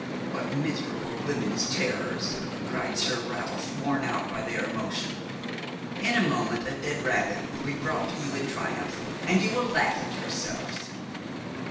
"What miserable woman's terrors!" cried Sir Ralph, worn out by their emotion; "in a moment a dead rabbit will be brought to you in triumph, and you will laugh at yourselves."